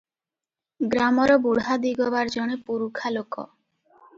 ଗ୍ରାମର ବୁଢା ଦିଗବାର ଜଣେ ପୁରୁଖା ଲୋକ ।